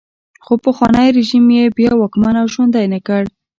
خو پخوانی رژیم یې بیا واکمن او ژوندی نه کړ.